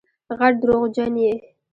غټ دروغجن یې